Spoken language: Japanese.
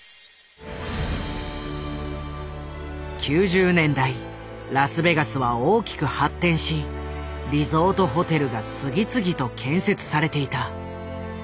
９０年代ラスベガスは大きく発展しリゾートホテルが次々と建設されていた。